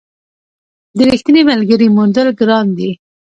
د رښتیني ملګري موندل ګران دي.